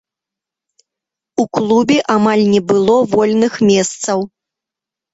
У клубе амаль не было вольных месцаў.